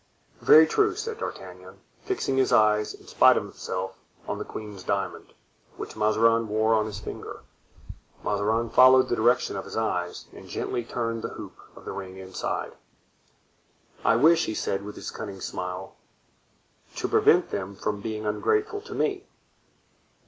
"Very true," said D'Artagnan, fixing his eyes, in spite of himself, on the queen's diamond, which Mazarin wore on his finger. Mazarin followed the direction of his eyes and gently turned the hoop of the ring inside. "I wish," he said, with his cunning smile, "to prevent them from being ungrateful to me."